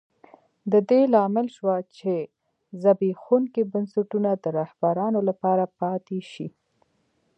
د دې لامل شوه چې زبېښونکي بنسټونه د رهبرانو لپاره پاتې شي.